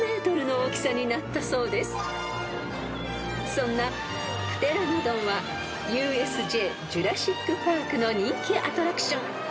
［そんなプテラノドンはＵＳＪジュラシック・パークの人気アトラクション］